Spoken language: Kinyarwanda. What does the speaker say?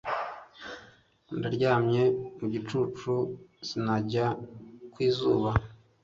Ndaryamye mu gicucu sinajya kwizuba